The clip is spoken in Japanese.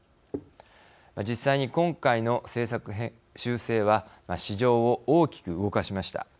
実際に今回の政策修正は市場を大きく動かしました。